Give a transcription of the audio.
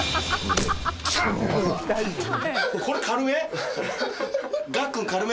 これ軽め？